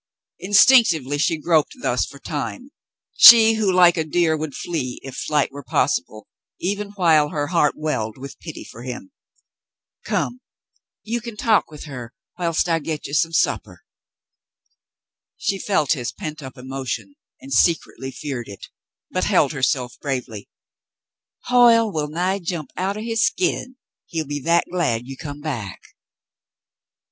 Instinctively she groped thus for tinie, she who like a deer would flee if flight were possible, even while her heart welled with pity for him. "Come. You can talk w^ith her whilst I get you some supper." She felt his pent up emotion and secretly feared it, but held herself bravely. "Hoyle will nigh jump out of his skin, he'll be that glad you come back."